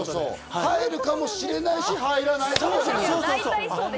入るかもしれないし、入らないかもしれない。